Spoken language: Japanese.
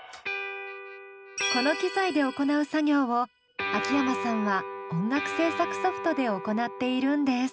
この機材で行う作業を秋山さんは音楽制作ソフトで行っているんです。